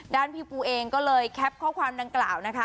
พี่ปูเองก็เลยแคปข้อความดังกล่าวนะคะ